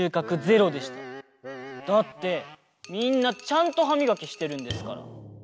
だってみんなちゃんとはみがきしてるんですから。